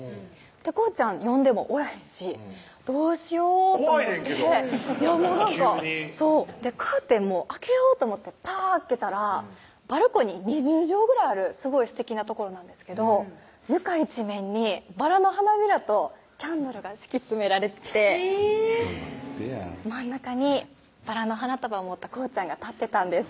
航ちゃん呼んでもおらへんしどうしよう怖いねんけど急にそうカーテンも開けようと思ってパーッ開けたらバルコニー２０畳ぐらいあるすごいすてきな所なんですけど床一面にバラの花びらとキャンドルが敷き詰められててえぇ待ってや真ん中にバラの花束を持った航ちゃんが立ってたんです